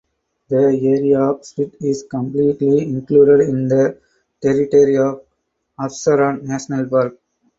The area of spit is completely included in the territory of Absheron National Park.